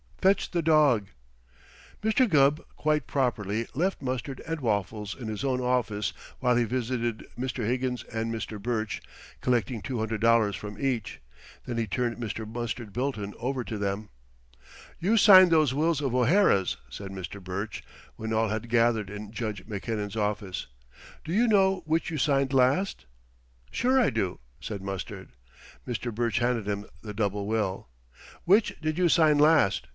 Fetch the dog." Mr. Gubb, quite properly, left Mustard and Waffles in his own office while he visited Mr. Higgins and Mr. Burch, collecting two hundred dollars from each. Then he turned Mr. Mustard Bilton over to them. "You signed those wills of O'Hara's," said Mr. Burch when all had gathered in Judge Mackinnon's office. "Do you know which you signed last?" "Sure, I do," said Mustard. Mr. Burch handed him the double will. "Which did you sign last?"